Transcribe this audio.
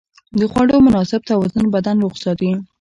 د خوړو مناسب توازن بدن روغ ساتي.